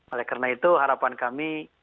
oleh karena itu harapan kami